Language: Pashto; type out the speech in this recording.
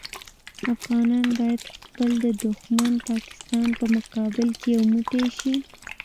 افغانان باید خپل د دوښمن پاکستان په مقابل کې یو موټی شي.